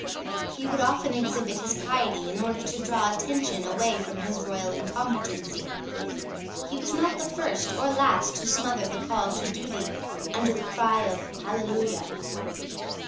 He would often exhibit his piety in order to draw attention away from His Royal Incompetency. He was not the first or last to smother the call to duty under the cry of Hallelujah.